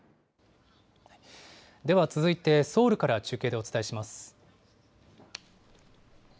では続いてソウルから中継でお伝えします。